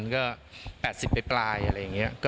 ก็๘๐ปลายอะไรอย่างนี้